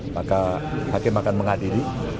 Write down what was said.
maka hakim akan mengadili